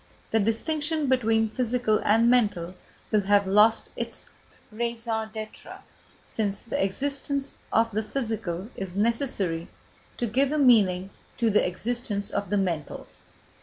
The distinction between physical and mental will have lost its raison d'être, since the existence of the physical is necessary to give a meaning to the existence of the mental.